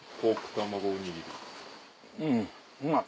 うんうまい。